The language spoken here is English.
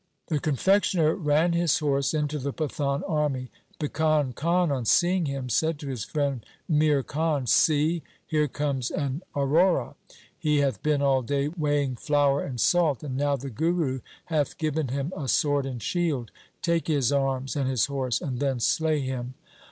The confectioner ran his horse into the Pathan army. Bhikan Khan on seeing him said to his friend Mir Khan, ' See, here comes an Arora. 1 He hath been all day weighing flour and salt, and now the Guru hath given him a sword and shield. Take his arms and his horse, and then slay him.'